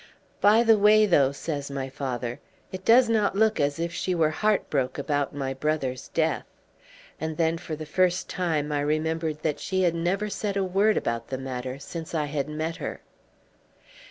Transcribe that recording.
"By the way, though," says my father, "it does not look as if she were heart broke about my brother's death." And then for the first time I remembered that she had never said a word about the matter since I had met her.